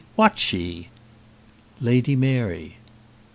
What she?" "Lady Mary."